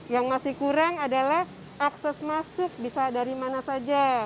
yang masih kurang adalah akses masuk bisa dari mana saja